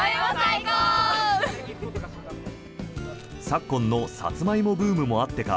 昨今のサツマイモブームもあってか